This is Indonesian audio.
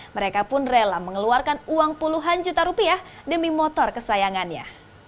mereka pun rela mengeluarkan uang puluhan juta rupiah demi motor kesayangannya